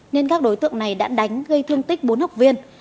nên các đối tượng này đã đánh gây thương tích bốn học viên